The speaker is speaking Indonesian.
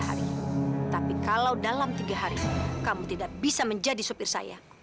sampai jumpa di video selanjutnya